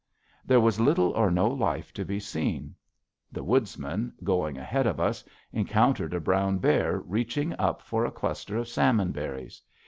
There was little or no life to be seen. The Woodsman, going ahead of us, encountered a brown bear reaching up for a cluster of salmon berries.